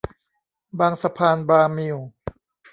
บางสะพานบาร์มิล